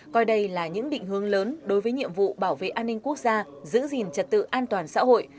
coi đây là những định hướng lớn đối với nhiệm vụ bảo vệ an ninh quốc gia giữ gìn trật tự an toàn xã hội